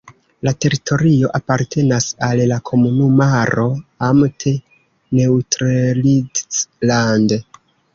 La teritorio apartenas al la komunumaro "Amt Neustrelitz-Land".